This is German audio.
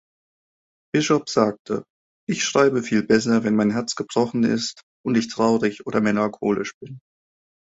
Bishop sagte: Ich schreibe viel besser, wenn mein Herz gebrochen ist und ich traurig oder melancholisch bin.